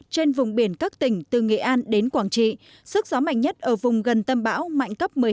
trên vùng biển các tỉnh từ nghệ an đến quảng trị sức gió mạnh nhất ở vùng gần tâm bão mạnh cấp một mươi năm